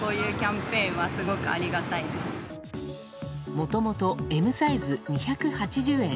もともとＭサイズ２８０円